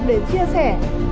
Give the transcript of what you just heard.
để chia sẻ